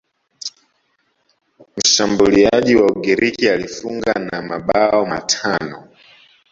mshambuliaji wa ugiriki alifunga na mabao matano